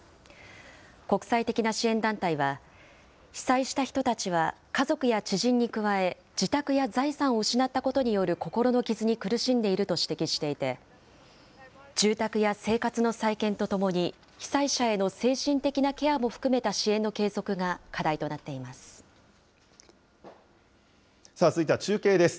国際的な支援団体は、被災した人たちは、家族や知人に加え、自宅や財産を失ったことによる心の傷に苦しんでいると指摘していて、住宅や生活の再建とともに被災者への精神的なケアも含めた支援の続いては中継です。